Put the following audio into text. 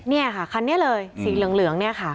นี่ค่ะคันนี้เลยสีเหลืองเนี่ยค่ะ